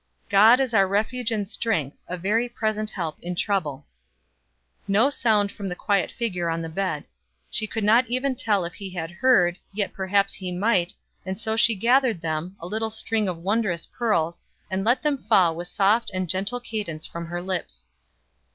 "God is our refuge and strength, a very present help in trouble." No sound from the quiet figure on the bed. She could not even tell if he had heard, yet perhaps he might, and so she gathered them, a little string of wondrous pearls, and let them fall with soft and gentle cadence from her lips.